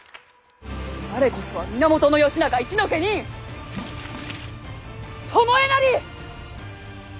我こそは源義仲一の家人巴なり！